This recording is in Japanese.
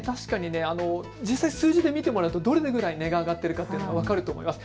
実際、数字で見てもらうとどれだけ値が上がっているのか分かると思います。